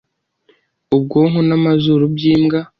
ubwonko n’amazuru by’imbwa,